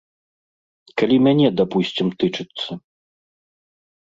Калі мяне, дапусцім, тычыцца.